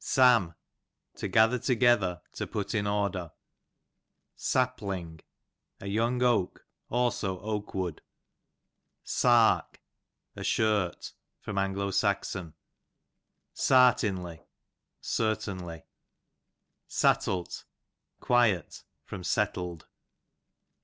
Sam, to gather together , to put in order. Sappling, a young oak ; also oak wood. Sark, a shirt. A. S, Sartinly, certainly. Sattlt, quiet, from settled.